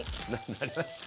なりました？